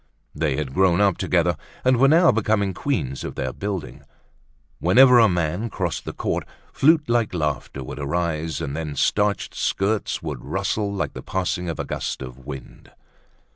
They had grown up together and were now becoming queens of their building. Whenever a man crossed the court, flutelike laugher would arise, and then starched skirts would rustle like the passing of a gust of wind.